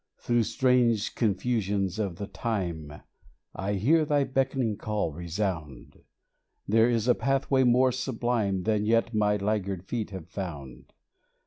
Through strange confusions of the time I hear Thy beckoning call resound : There is a pathway more sublime Than yet my laggard feet have found.